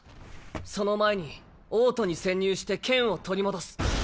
その前に王都に潜入して剣を取り戻す。